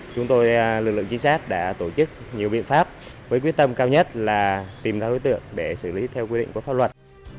chúng tôi lực lượng trinh sát đã tổ chức nhiều biện pháp với quyết tâm cao nhất là tìm ra đối tượng để xử lý theo quy định của pháp luật